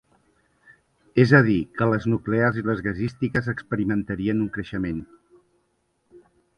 És a dir, que les nuclears i les gasístiques experimentarien un creixement.